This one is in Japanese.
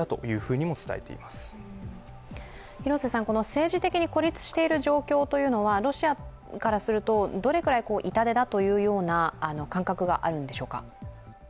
政治的に孤立している状況というのは、ロシアからするとどれくらい痛手だというような感覚があるんでしょうか。